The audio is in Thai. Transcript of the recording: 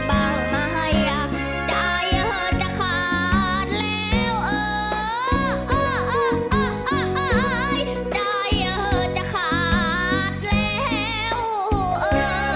ใจจะขาดแล้วเอ่อ